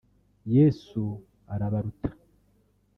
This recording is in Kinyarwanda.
Yesu arabaruta